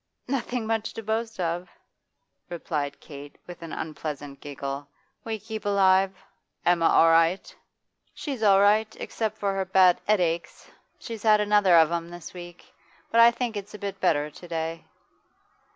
'Nothing much to boast of,' Kate replied with an unpleasant giggle. 'We keep alive.' 'Emma all right?' 'She's all right, except for her bad 'ead aches. She's had another of 'em this week. But I think it's a bit better to day.